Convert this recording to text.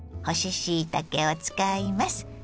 干ししいたけを使います。